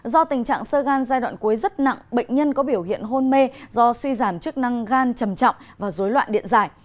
do tình trạng sơ gan giai đoạn cuối rất nặng bệnh nhân có biểu hiện hôn mê do suy giảm chức năng gan trầm trọng và dối loạn điện giải